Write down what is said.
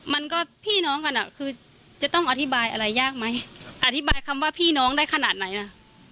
มันก็พี่น้องกันอ่ะคือจะต้องอธิบายอะไรยากไหมอธิบายคำว่าพี่น้องได้ขนาดไหนล่ะ